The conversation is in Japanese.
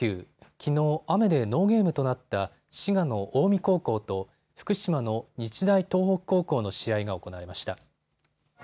きのう雨でノーゲームとなった滋賀の近江高校と福島の日大東北高校の試合が行われました。